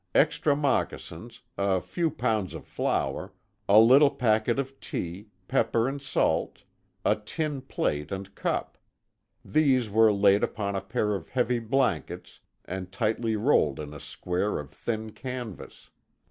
Extra moccasins, a few pounds of flour, a little packet of tea, pepper and salt, a tin plate and cup; these were laid upon a pair of heavy blankets, and tightly rolled in a square of thin canvas.